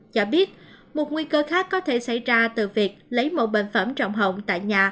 cho biết một nguy cơ khác có thể xảy ra từ việc lấy mẫu bệnh phẩm trọng hồng tại nhà